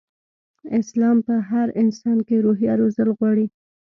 اسلام په هر انسان کې روحيه روزل غواړي.